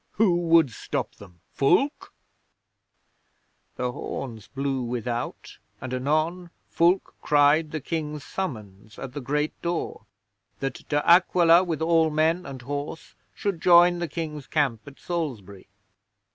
Who would stop them Fulke?" 'The horns blew without, and anon Fulke cried the King's Summons at the great door, that De Aquila with all men and horse should join the King's camp at Salisbury.